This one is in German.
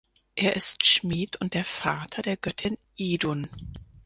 Er ist Schmied und der Vater der Göttin Idun.